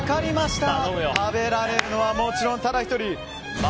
食べられるのはもちろんただ１人。